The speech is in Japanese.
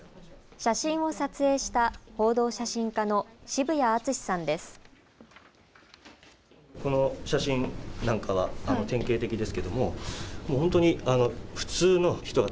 写真を撮影した報道写真家の渋谷敦志さんです。